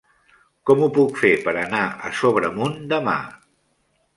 Com ho puc fer per anar a Sobremunt demà?